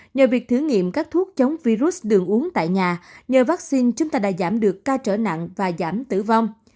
nhờ việc thử nghiệm các thuốc chống virus đường uống tại nhà nhờ vaccine chúng ta đã giảm được ca trở nặng và giảm tử vong